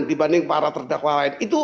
dibanding para terdakwa lain